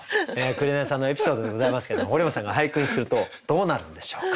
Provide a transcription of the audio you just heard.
紅さんのエピソードでございますけど堀本さんが俳句にするとどうなるんでしょうか。